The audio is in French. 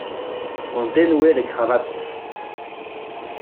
On dénouait les cravates.